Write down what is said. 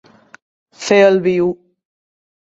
Fer el viu.